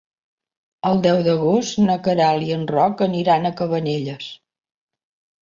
El deu d'agost na Queralt i en Roc aniran a Cabanelles.